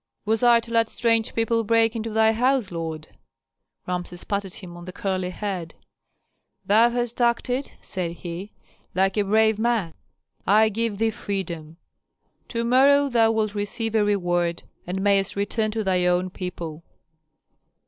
"Was I to let strange people break into thy house, lord?" Rameses patted him on the curly head. "Thou hast acted," said he, "like a brave man. I give thee freedom. To morrow thou wilt receive a reward and mayst return to thy own people."